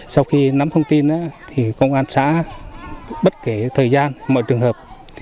sau khi nắm thông tin thì công an xã bất kể thời gian mọi trường hợp